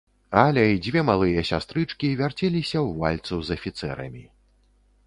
Аля і дзве малыя сястрычкі вярцеліся ў вальцу з афіцэрамі.